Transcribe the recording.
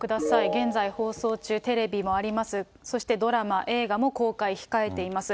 現在放送中、テレビもあります、そしてドラマ、映画も公開控えています。